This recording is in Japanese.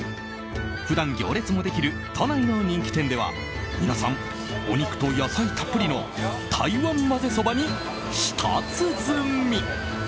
普段、行列もできる都内の人気店では皆さん、お肉と野菜たっぷりの台湾まぜそばに舌鼓。